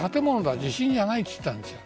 地震じゃないと言ったんです。